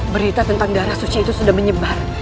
berita tentang darah suci itu sudah menyebar